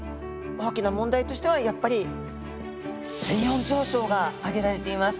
大きな問題としてはやっぱり水温上昇が挙げられています。